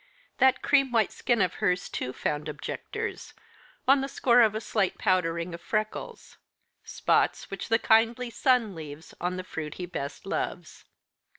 That cream white skin of hers, too, found objectors, on the score of a slight powdering of freckles; spots which the kindly sun leaves on the fruit he best loves.